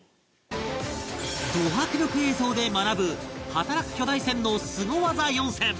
ド迫力映像で学ぶ働く巨大船のスゴ技４選